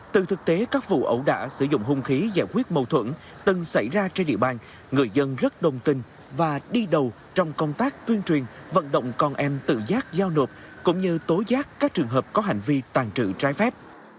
từ thực tế các vụ ẩu đã sử dụng hung khí giải quyết mâu thuẫn từng xảy ra trên địa bàn người dân rất đồng tình và đi đầu trong công tác tuyên truyền vận động con em tự giác giao nộp cũng như tố giác các trường hợp có hành vi tàn trự trái phép